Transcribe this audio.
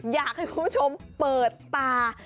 อยากให้คุณผู้ชมเปิดตา